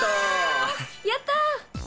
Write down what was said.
やった！